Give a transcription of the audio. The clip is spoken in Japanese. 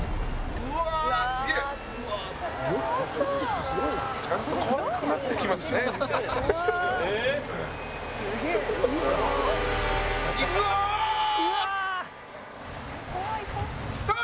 「うわー！」